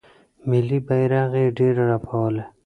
ملي بیرغ یې ډیر رپولی